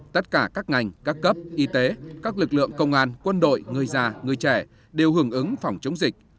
tất cả các ngành các cấp y tế các lực lượng công an quân đội người già người trẻ đều hưởng ứng phòng chống dịch